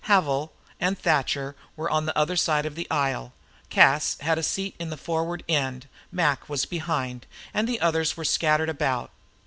Havil and Thatcher were on the other side of the aisle; Cas had a seat in the forward end; Mac was behind; and the others were scattered about.